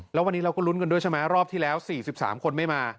แล้ววันนี้เราก็ลุ้นกันด้วยใช่ไหมรอบที่แล้ว๔๓คนไม่มา